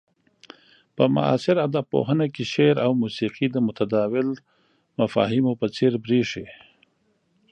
په معاصر ادب پوهنه کې شعر او موسيقي د متداول مفاهيمو په څير بريښي.